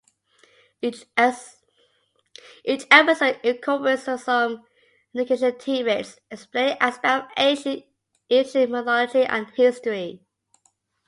Each episode incorporates some educational tidbits: explaining aspects of ancient Egyptian mythology and history.